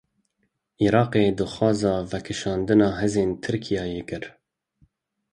Iraqê daxwaza vekişandina hêzên Tirkiyeyê kir.